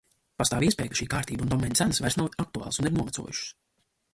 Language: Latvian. Pastāv iespēja, ka šī kārtība un domēna cenas vairs nav aktuālas un ir novecojušas.